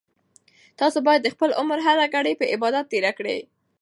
تاسو باید د خپل عمر هره ګړۍ په عبادت تېره کړئ.